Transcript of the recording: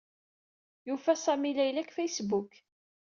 Yufa Sami Layla deg Facebook.